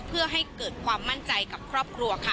เพื่อให้เกิดความมั่นใจกับครอบครัวค่ะ